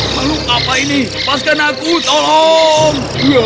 makhluk apa ini paskan aku tolong